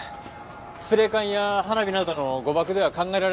スプレー缶や花火などの誤爆では考えられません。